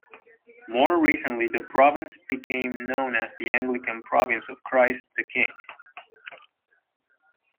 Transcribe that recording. More recently, the province became known as the Anglican Province of Christ the King.